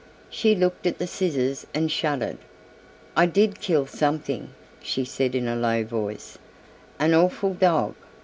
She looked at the scissors and shuddered. "I did kill something," she said in a low voice, "an awful dog...